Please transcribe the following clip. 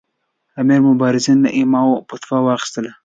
امیر مبارزالدین له علماوو فتوا واخیستله.